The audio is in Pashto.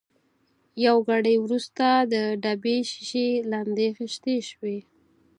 یو ګړی وروسته د ډبې شېشې لندې خېشتې شوې.